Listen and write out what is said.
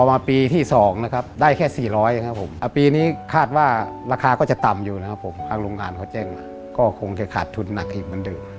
ไม่มีนะครับ